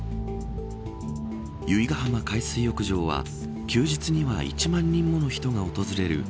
由比ガ浜海水浴場は休日には１万人もの人が訪れる